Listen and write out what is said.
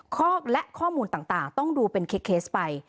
ข้อมูลและข้อมูลต่างต้องดูเป็นเคสไป